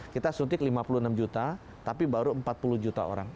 kita suntik lima puluh enam juta tapi baru empat puluh juta orang